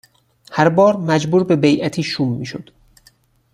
هر بار مجبور به بیعتی شوم میشد